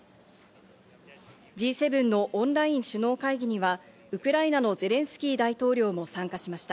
Ｇ７のオンライン首脳会議にはウクライナのゼレンスキー大統領も参加しました。